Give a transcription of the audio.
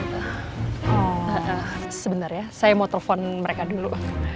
eh sebenernya saya mau telfon mereka dulu